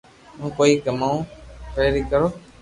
ھون ڪوئي ڪماوُ پئري ڪرو